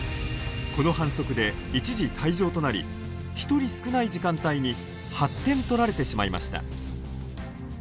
この反則で一時退場となり１人少ない時間帯に８点取られてしまいました。